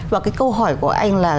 và cái câu hỏi của anh là